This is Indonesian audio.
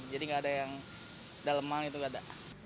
jadi nggak ada yang dalem alem itu nggak ada